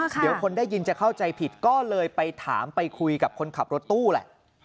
เดี๋ยวคนได้ยินจะเข้าใจผิดก็เลยไปถามไปคุยกับคนขับรถตู้แหละ